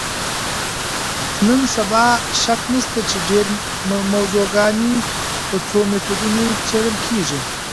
نن سبا شک نشته چې ډېری موضوعګانې په څو میتودونو څېړل کېږي.